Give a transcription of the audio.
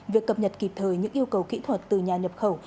việc cập nhật kịp thời những yêu cầu kỹ thuật từ nhà nhập khẩu